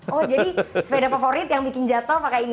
oh jadi sepeda favorit yang bikin jatuh pakai ini